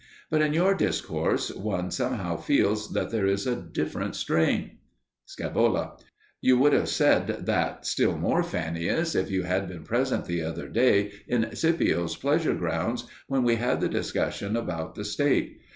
But in your discourse one somehow feels that there is a different strain. Scaevola. You would have said that still more, Fannius, if you had been present the other day in Scipio's pleasure grounds when we had the discussion about the State.